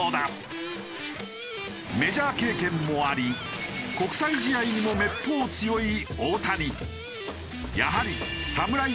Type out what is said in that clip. メジャー経験もあり国際試合にもめっぽう強い大谷。